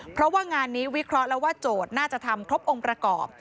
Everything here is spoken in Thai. เพราะว่างานนี้วิเคราะห์แล้วว่าโจทย์น่าจะทำครบองค์ประกอบ